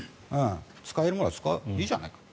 使えるものは使おうといいじゃないかと。